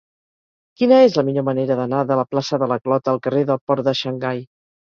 Quina és la millor manera d'anar de la plaça de la Clota al carrer del Port de Xangai?